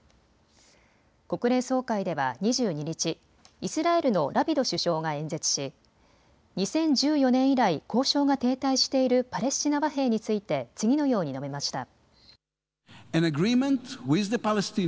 国連総会では２２日、イスラエルのラピド首相が演説し２０１４年以来、交渉が停滞しているパレスチナ和平について次のように述べました。